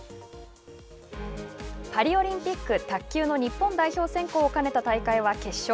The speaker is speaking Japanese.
パリオリンピック卓球の日本代表選考を兼ねた大会は決勝。